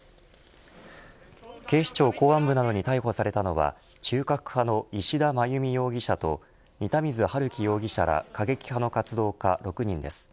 警視庁公安部などに逮捕されたのは、中核派の石田真弓容疑者と仁田水晴輝容疑者ら過激派の活動家６人です。